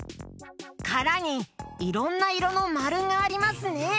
からにいろんないろのまるがありますね！